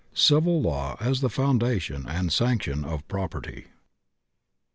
Civil Law as the Foundation and Sanction of Property.